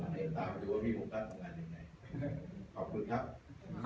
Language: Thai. ตามไปดูว่าพี่มุมตั้งของงานยังไงขอบคุณครับ